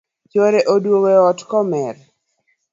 Chuore oduogo e ot ka omer